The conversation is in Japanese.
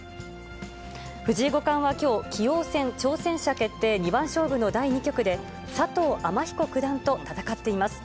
藤井五冠はきょう、棋王戦挑戦者決定二番勝負の第２局で、佐藤天彦九段と戦っています。